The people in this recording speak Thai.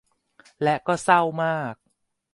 และก็เศร้ามาก